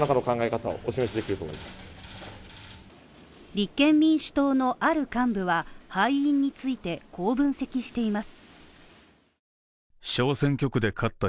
立憲民主党のある幹部は敗因についてこう分析しています。